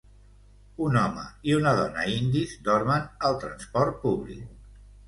Un home i una dona indis dormen al transport públic.